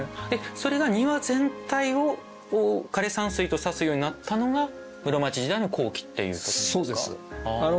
それが庭全体を枯山水と指すようになったのが室町時代の後期っていうことなんですか？